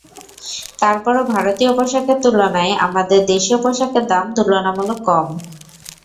তার পরও ভারতীয় পোশাকের তুলনায় আমাদের দেশীয় পোশাকের দাম তুলনামূলক কম।